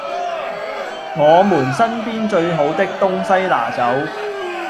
我們身邊最好的東西拿走